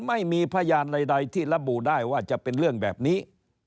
ไม่มีพยานใดที่ระบุได้ว่าจะเป็นเรื่องแบบนี้